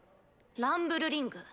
ランブルリング。